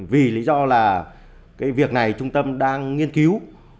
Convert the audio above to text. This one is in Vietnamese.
vì lý do là cái việc này trung tâm đang nghiên cứu